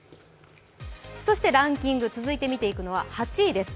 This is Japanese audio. そしてランキング続いて見ていくのは８位です。